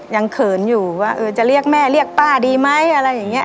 เขินอยู่ว่าจะเรียกแม่เรียกป้าดีไหมอะไรอย่างนี้